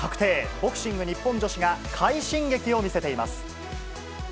ボクシング日本女子が快進撃を見せています。